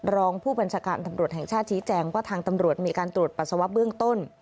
รองผู้บัญชาการตำรวจแห่งชาติชี้แจงว่าทางตำรวจมีการตรวจปัสสาวะเบื้องต้น